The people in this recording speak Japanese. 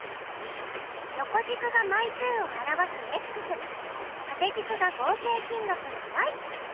横軸が枚数を表す縦軸が合計金額の。